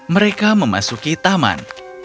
mereka memasuki taman